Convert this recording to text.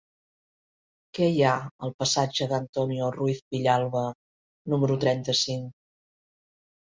Què hi ha al passatge d'Antonio Ruiz Villalba número trenta-cinc?